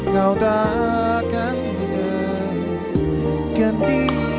kau takkan terganti